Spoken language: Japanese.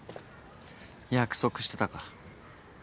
約束してたから。